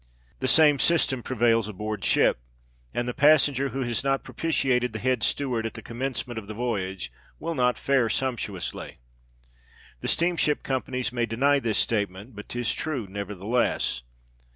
The same system prevails aboard ship; and the passenger who has not propitiated the head steward at the commencement of the voyage will not fare sumptuously. The steamship companies may deny this statement; but 'tis true nevertheless.